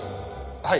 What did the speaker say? はい。